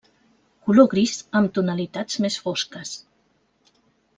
Color gris amb tonalitats més fosques.